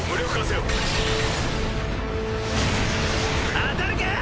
当たるかよ！